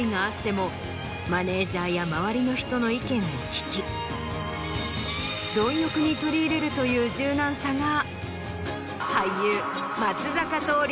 マネージャーや周りの人の意見を聞き貪欲に取り入れるという柔軟さが。